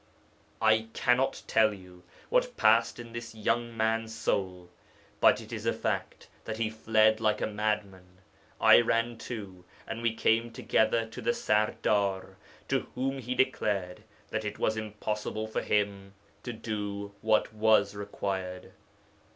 'I cannot tell what passed in this young man's soul. But it is a fact that he fled like a madman. I ran too, and we came together to the serdar, to whom he declared that it was impossible for him to do what was required.